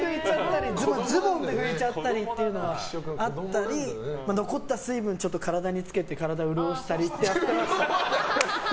ズボンで拭いちゃったりっていうのがあったり残った水分を体につけて体を潤おしたりってやってます。